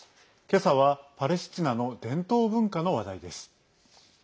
けさは、パレスチナの伝統文化の話題です。